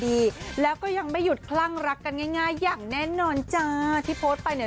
ดีแล้วก็ยังไม่หยุดคลั่งรักกันง่ายง่ายอย่างแน่นอนจ้าที่โพสต์ไปเนี่ย